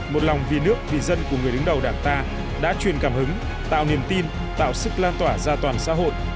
một lòng vì nước vì dân của người đứng đầu đảng ta đã truyền cảm hứng tạo niềm tin tạo sức lan tỏa ra toàn xã hội